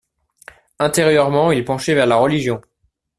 Intérieurement, il penchait vers la Religion.